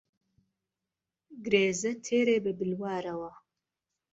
گرێزه تێرێ به بلوارهوه